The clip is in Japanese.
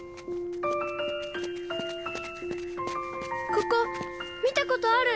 ここ見たことある。